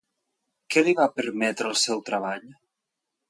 Què li va permetre el seu treball?